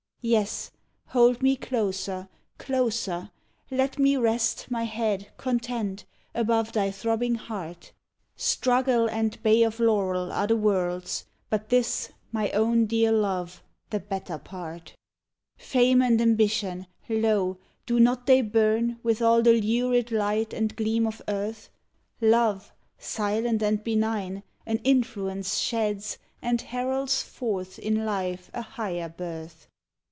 Yes, hold me closer, closer; let me rest My head, content, above thy throbbing heart. Struggle and bay of laurel are the world's; But this, my own dear Love, the better part! Fame and Ambition lo! do not they burn With all the lurid light and gleam of earth? Love, silent and benign, an influence sheds, And heralds forth in life a higher birth!